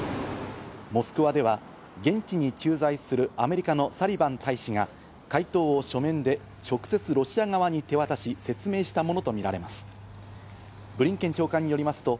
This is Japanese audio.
モスクワでは現地に駐在するアメリカのサリバン大使が回答を書面で直接ロシア側に手渡し、説明したものとみられます。